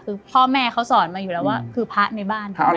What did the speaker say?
คือพ่อแม่เขาสอนมาอยู่แล้วว่าคือพระในบ้าน